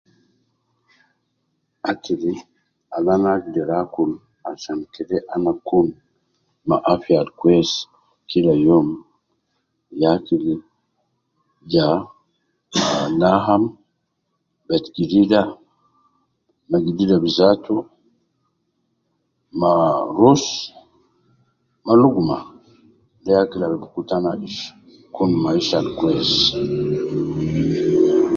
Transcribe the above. Akil al anagder akul asan kede ana kun ma afia alkwesi kila youm yaa akil ja laham, bedgidida ,ma gidida bizatu, ma ruz ma luguma de ya akil al bikutana ish kun ma ish alkwes.